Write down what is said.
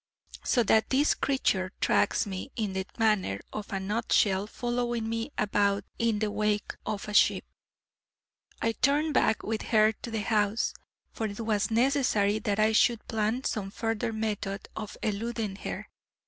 So that this creature tracks me in the manner of a nutshell following about in the wake of a ship. I turned back with her to the house, for it was necessary that I should plan some further method of eluding her.